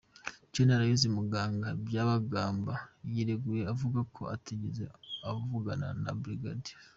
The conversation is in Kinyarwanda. Gen Aloys Muganga, Byabagamba yireguye avuga ko atigeze avugana na Brig.